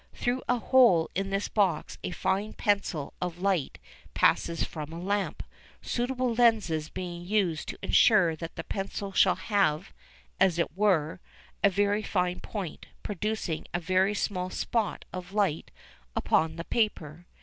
Through a hole in this box a fine pencil of light passes from a lamp, suitable lenses being used to ensure that the pencil shall have, as it were, a very fine point, producing a very small spot of light upon the paper.